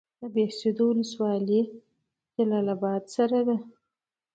د بهسودو ولسوالۍ جلال اباد سره ده